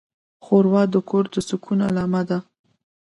ښوروا د کور د سکون علامه ده.